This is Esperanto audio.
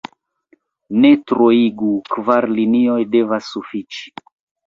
Ne troigu: kvar linioj devas sufiĉi.